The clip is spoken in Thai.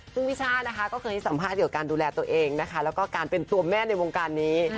ซึ่งพี่ช่านะคะก็เคยให้สัมภาษณ์เกี่ยวกับการดูแลตัวเองนะคะแล้วก็การเป็นตัวแม่ในวงการนี้